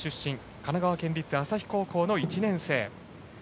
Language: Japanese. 神奈川県立旭高校の１年生。